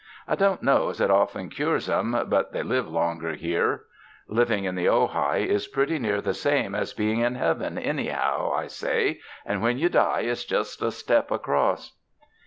I don't know as it often cures 'em, but they live longer here. Living in the Ojai is pretty near the same as bein' in heaven, anyhow, I say, and when you die it's just a step across."